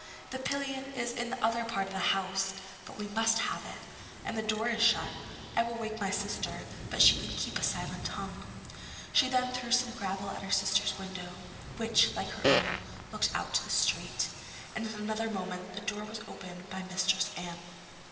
The pillion is in the other part of the house, but we must have it. As the door is shut, I will wake my sister, but she can keep a silent tongue.' She then threw some gravel at her sister's window, which, like her own, looked out on to the street, and in another moment the door was opened by Mistress Anne.